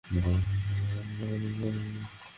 সে তার ভাইদের কর্তৃত্বাধীন সমস্ত এলাকার অধিকারী হবে।